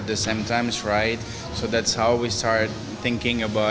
jadi kita mulai berpikir tentangnya